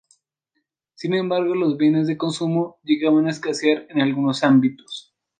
Sin embargo los bienes de consumo llegaban a escasear en algunos ámbitos.